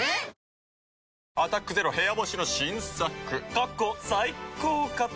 過去最高かと。